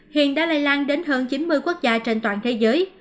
hiện đã lây lan đến hơn chín mươi quốc gia trên toàn thế giới